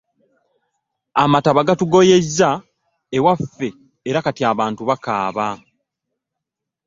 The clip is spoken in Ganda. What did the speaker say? Amataba gaatugoyezza ewaffe era abantu kati bakaaba.